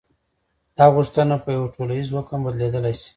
دا غوښتنه په یوه ټولیز حکم بدلېدلی شي.